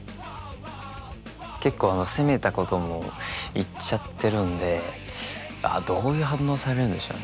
結構攻めたことも言っちゃってるんでどういう反応されるんでしょうね。